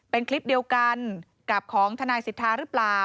เป็นคลิปเดียวกันกับของทนายสิทธาหรือเปล่า